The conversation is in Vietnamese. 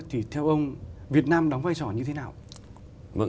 thì theo ông việt nam đóng vai trò như thế nào